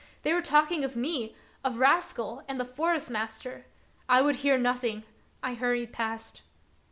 They were talking of me, of Rascal, and the Forest master; I would hear nothing; I hurried past.